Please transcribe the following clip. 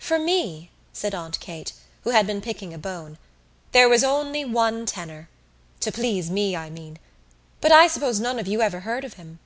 "For me," said Aunt Kate, who had been picking a bone, "there was only one tenor. To please me, I mean. But I suppose none of you ever heard of him."